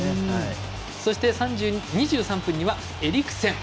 そして２３分にはエリクセン。